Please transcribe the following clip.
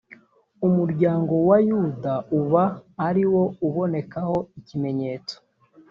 umuryango wa yuda uba ari wo ubonekaho ikimenyetso.